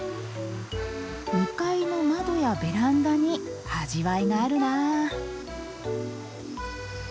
２階の窓やベランダに味わいがあるなあ。